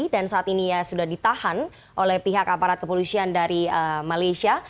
dan saat ini sudah ditahan oleh pihak aparat kepolusian dari malaysia